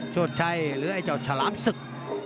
โชชัยหรือไอ้เจ้าฉลามศึก